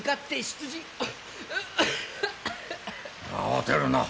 慌てるな。